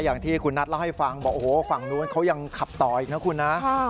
อย่างที่คุณนัทเล่าให้ฟังบอกโอ้โหฝั่งนู้นเขายังขับต่ออีกนะคุณนะ